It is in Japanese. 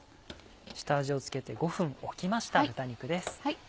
下味を付けて５分置きました豚肉です。